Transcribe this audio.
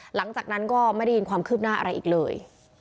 หลังจากนั้นก็ไม่ได้ยินความคืบหน้าอะไรอีกเลย